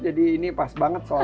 jadi ini pas banget soal